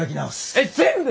えっ全部！？